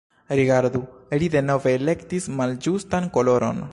"Rigardu, ri denove elektis malĝustan koloron!"